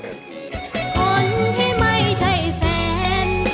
คนที่ไม่ใช่แฟน